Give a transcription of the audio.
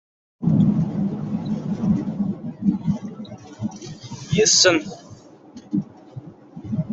Yessen.